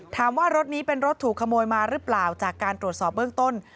รถนี้เป็นรถถูกขโมยมาหรือเปล่าจากการตรวจสอบเบื้องต้น